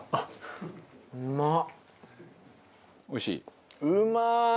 おいしい？